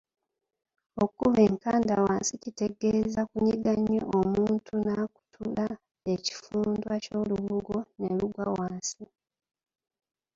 Okukuba enkanda wansi kitegeeza kunyiiga nnyo omuntu n'akutula ekifundikwa ky'olubugo ne lugwa wansi.